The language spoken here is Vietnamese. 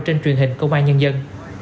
trên truyền hình công an nhân dân